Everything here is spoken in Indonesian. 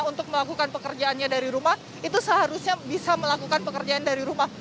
untuk melakukan pekerjaannya dari rumah itu seharusnya bisa melakukan pekerjaan dari rumah